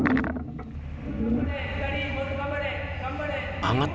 上がった！